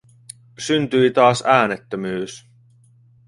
Syntyi taas äänettömyys.